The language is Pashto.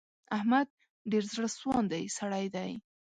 احمد ډېر زړه سواندی سړی دی.